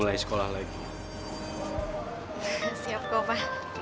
berhasil coba lihat tadi